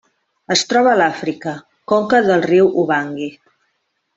Es troba a Àfrica: conca del riu Ubangui.